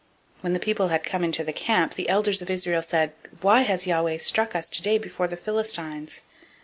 004:003 When the people were come into the camp, the elders of Israel said, Why has Yahweh struck us today before the Philistines?